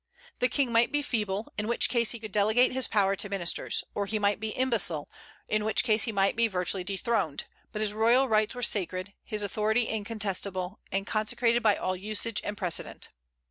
The king might be feeble, in which case he could delegate his power to ministers; or he might be imbecile, in which case he might be virtually dethroned; but his royal rights were sacred, his authority incontestable, and consecrated by all usage and precedent.